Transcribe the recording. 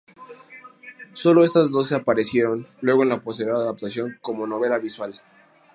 Sólo estas doce aparecieron luego en la posterior adaptación como novela visual.